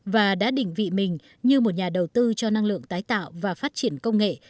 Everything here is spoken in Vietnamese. và đã định vị mình như một nhà đầu tư cho năng lượng tái tạo và phát triển công nghệ